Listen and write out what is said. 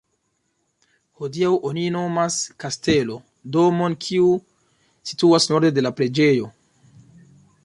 Hodiaŭ oni nomas "Kastelo" domon, kiu situas norde de la preĝejo.